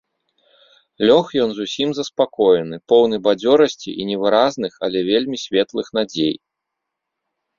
Лёг ён зусім заспакоены, поўны бадзёрасці і невыразных, але вельмі светлых надзей.